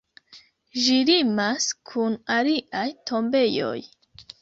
Ĝi limas kun aliaj tombejoj.